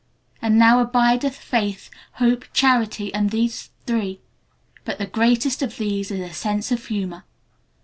"And now abideth faith, hope, charity, these three. _But the greatest of these is a sense of humor!